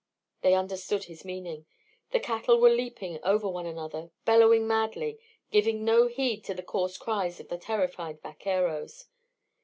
They understood his meaning. The cattle were leaping over one another, bellowing madly, giving no heed to the hoarse cries of the terrified vaqueros.